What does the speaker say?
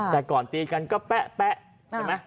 แต่ก่อนตีกันก็แป๊ะใช่ไหม